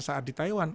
saat di taiwan